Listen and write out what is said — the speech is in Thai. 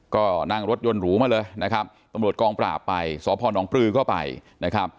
ก็นั่งรถยนต์หรูมาเลยนะครับตำรวจกองปราบไปสพนปลือก็ไปนะครับ